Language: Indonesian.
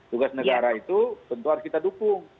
tugas negara itu tentu harus kita dukung